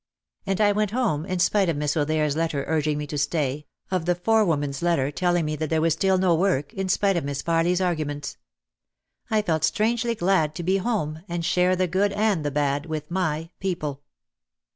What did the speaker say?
And I went home in spite of Miss O'There's letter urging me to stay, of the forewoman's letter telling me that there was still no work, in spite of Miss Farly's arguments. I felt strange ly glad to be home and share the good and the bad with my people.